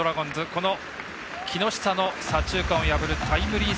この木下の左中間を破るタイムリー